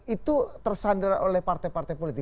itu tersandar oleh partai partai politik